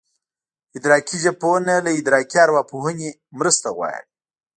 ادراکي ژبپوهنه له ادراکي ارواپوهنې نه مرسته غواړي